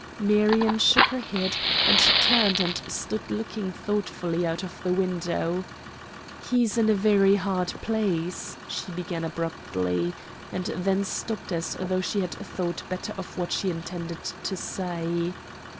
Marion shook her head and turned and stood looking thoughtfully out of the window. "He's in a very hard place," she began abruptly, and then stopped as though she had thought better of what she intended to say.